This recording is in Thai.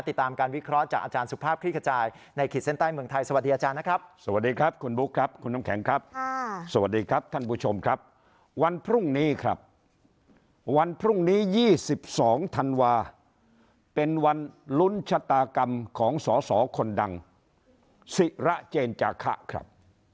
ติดตามการวิเคราะห์จากอาจารย์สุภาพ